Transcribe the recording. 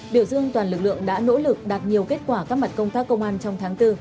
biểu dương toàn lực lượng đã nỗ lực đạt nhiều kết quả các mặt công tác công an trong tháng bốn